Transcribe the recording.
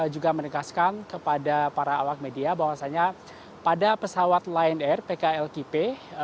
juga menegaskan kepada para awak media bahwasanya pada pesawat lion air pkl kipe